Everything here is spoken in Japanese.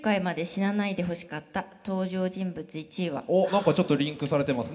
何かちょっとリンクされてますね